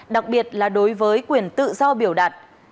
đặc biệt là đối với quyền tự do biểu đạt